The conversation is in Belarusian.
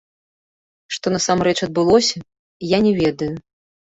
Што насамрэч адбылося, я не ведаю.